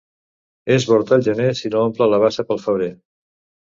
És bord el gener si no omple la bassa pel febrer.